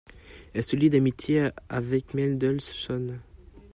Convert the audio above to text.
Elle se lie d'amitié avec Mendelssohn.